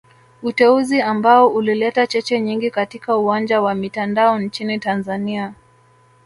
Uteuzi ambao ulileta cheche nyingi katika uwanja wa mitandao nchini Tanzania